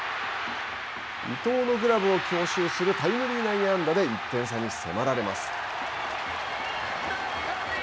伊藤のグラブを強襲するタイムリー内野安打で１点差に迫られます。